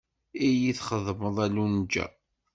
Iyi txedmeḍ a Lunǧa.